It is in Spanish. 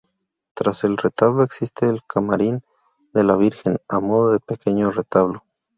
Tras el retablo existe el camarín de la Virgen, a modo de pequeño retablo.